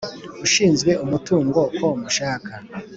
ushinzwe-umutungo ko mushaka